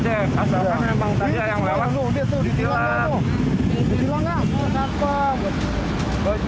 bajunya orang orangnya coklat